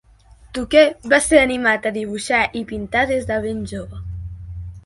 Tuke va ser animat a dibuixar i pintar des de ben jove.